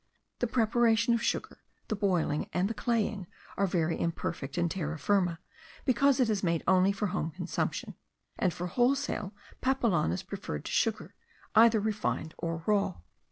The preparation of sugar, the boiling, and the claying, are very imperfect in Terra Firma, because it is made only for home consumption; and for wholesale, papelon is preferred to sugar, either refined or raw.